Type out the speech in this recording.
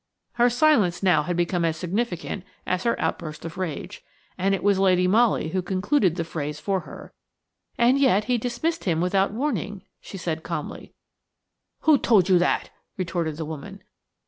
Her silence now had become as significant as her outburst of rage, and it was Lady Molly who concluded the phrase for her. "And yet he dismissed him without warning," she said calmly. "Who told you that?" retorted the woman.